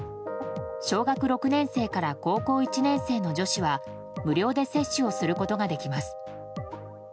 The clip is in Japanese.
小学６年生から高校１年生の女子は無料で接種をすることができます。